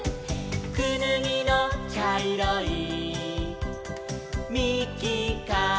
「くぬぎのちゃいろいみきからは」